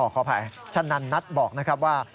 ขออภัยชะนันนัทบอกนะครับว่า